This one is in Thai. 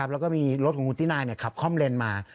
แล้วก็มีรถของคุณตินายขับคล่อมเลนมา